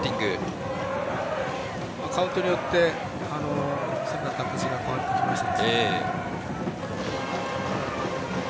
カウントによってサインの形が変わってきました。